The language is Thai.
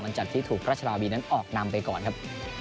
หลังจากที่ถูกราชนาวีนั้นออกนำไปก่อนครับ